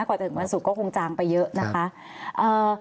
กว่าจะถึงวันศุกร์ก็คงจางไปเยอะนะคะ